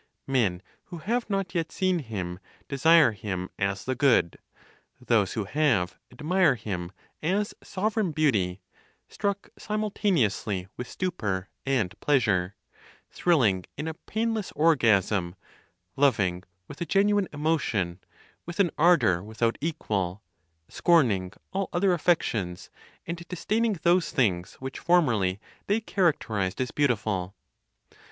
Men who have not yet seen Him desire Him as the Good; those who have, admire Him as sovereign beauty, struck simultaneously with stupor and pleasure, thrilling in a painless orgasm, loving with a genuine emotion, with an ardor without equal, scorning all other affections, and disdaining those things which formerly they characterized as beautiful.